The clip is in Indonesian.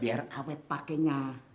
biar awet pakainya